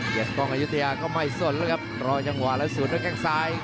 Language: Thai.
เกร็ดกล้องยุธยาก็ไม่สนแล้วครับรอจังหวะแล้วสูดด้วยแกล้งซ้าย